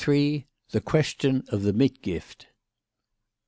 THE QUESTION OF THE MITGIFT.